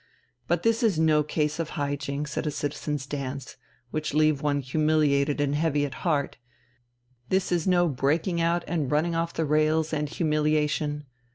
But this is no case of high jinks at a citizens' dance, which leave one humiliated and heavy at heart; this is no breaking out and running off the rails and humiliation!